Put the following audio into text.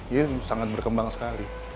jadi sangat berkembang sekali